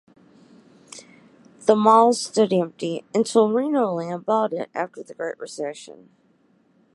The mall stood empty until Reno Land bought it after the Great Recession.